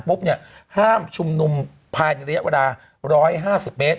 ปุ๊บเนี่ยห้ามชุมนุมผ่ายในระยะเวลา๑๕๐เมตร